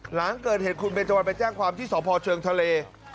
หลังเกิดเหตุคุณเบนเจวันไปแจ้งความที่สพเชิงทะเล